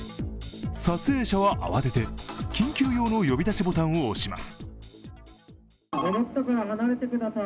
撮影者は慌てて、緊急用の呼び出しボタンを押します。